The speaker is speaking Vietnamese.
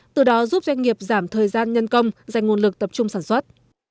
từ đó giúp doanh nghiệp giảm thời gian nhân công dành nguồn lực tập trung sản xuất